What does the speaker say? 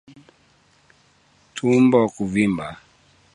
Tumbo kuvimba